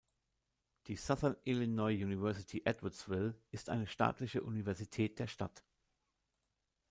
Die Southern Illinois University Edwardsville ist eine staatliche Universität der Stadt.